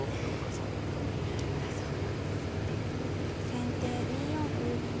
先手２四歩。